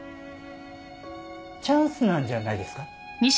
チャンスなんじゃないですか？